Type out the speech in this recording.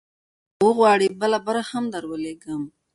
که وغواړې، بله برخه هم درولیږم.